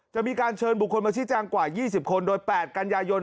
จะมีการเชิญบุคคลมาชี้แจงกว่า๒๐คนโดย๘กันยายน